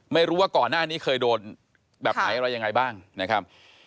ไม่รู้ว่าก่อนหน้านี้เคยโดนแบบไหนอะไรยังไงบ้างนะครับ